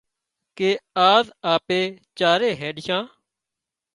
ڪي آز آپ چارئي هينڏشان